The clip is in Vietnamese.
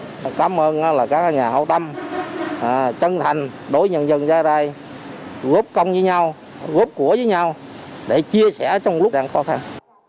rồi sự ủng hộ rất là cao đặc biệt là các doanh nghiệp cảm ơn các nhà hậu tâm chân thành đối với nhân dân giá rai góp công với nhau góp của với nhau để chia sẻ trong lúc đang khó khăn